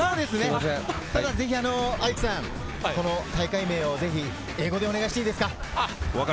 ぜひアイクさん、この大会名をぜひ英語でお願いしていいですか？